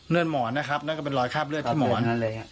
หมอนนะครับนั่นก็เป็นรอยคราบเลือดที่หมอน